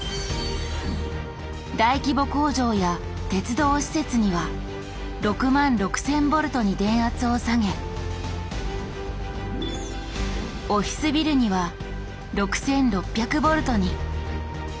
大規模工場や鉄道施設には６万６，０００ボルトに電圧を下げオフィスビルには６，６００ボルトに。